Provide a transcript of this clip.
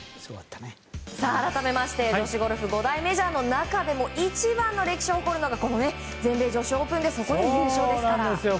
改めまして女子ゴルフ５大メジャーの中でも一番の歴史を誇るのが全米女子オープンですがそこで優勝ですから。